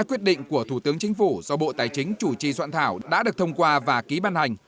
quyết định của thủ tướng chính phủ do bộ tài chính chủ trì soạn thảo đã được thông qua và ký ban hành